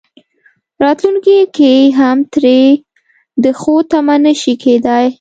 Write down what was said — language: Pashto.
راتلونکي کې هم ترې د ښو تمه نه شي کېدای.